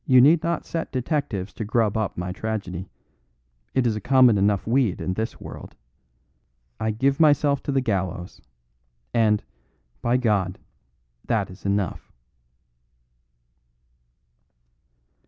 You need not set detectives to grub up my tragedy; it is a common enough weed in this world. I give myself to the gallows; and, by God, that is enough!"